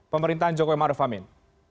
pemerintahan jokowi maruf amin